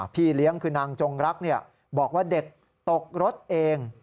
พี่เลี้ยงคือนางจงรักบอกว่าเด็กตกรถเอง